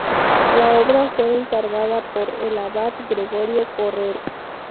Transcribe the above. La obra fue encargada por el abad Gregorio Correr.